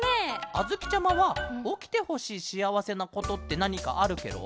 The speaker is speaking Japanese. あづきちゃまはおきてほしいしあわせなことってなにかあるケロ？